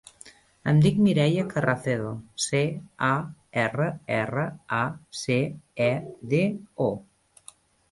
Em dic Mireia Carracedo: ce, a, erra, erra, a, ce, e, de, o.